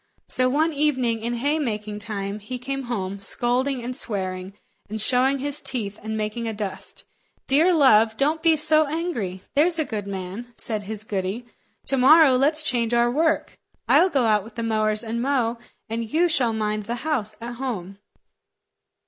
So one evening in haymaking time, he came home, scolding and swearing, and showing his teeth and making a dust. "Dear love, don't be so angry; there's a good man," said his goody; "to morrow let's change our work. I'll go out with the mowers and mow, and you shall mind the house at home."